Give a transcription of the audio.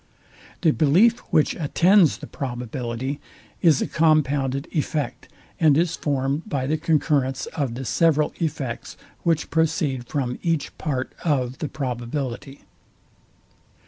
The belief, which attends the probability, is a compounded effect, and is formed by the concurrence of the several effects, which proceed from each part of the probability.